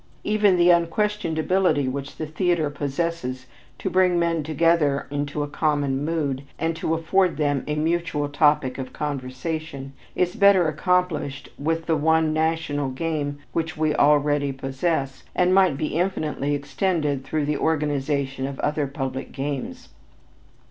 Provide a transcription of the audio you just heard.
Even the unquestioned ability which the theater possesses to bring men together into a common mood and to afford them a mutual topic of conversation, is better accomplished with the one national game which we already possess, and might be infinitely extended through the organization of other public games.